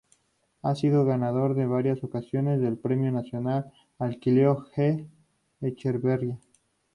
Ha sido ganador en varias ocasiones del Premio Nacional Aquileo J. Echeverría.